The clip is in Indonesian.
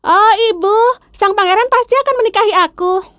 oh ibu sang pangeran pasti akan menikahi aku